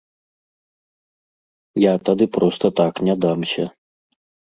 Я тады проста так не дамся.